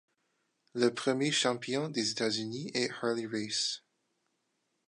Le premier Champion des États-Unis est Harley Race.